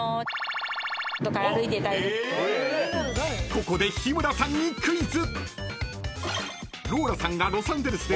［ここで日村さんにクイズ］